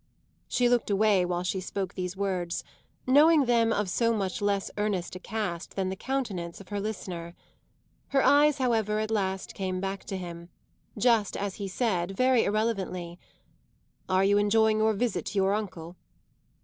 She looked away while she spoke these words, knowing them of so much less earnest a cast than the countenance of her listener. Her eyes, however, at last came back to him, just as he said very irrelevantly; "Are you enjoying your visit to your uncle?"